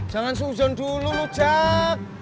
jangan seuzon dulu jak